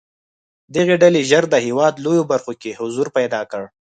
دغې ډلې ژر د هېواد لویو برخو کې حضور پیدا کړ.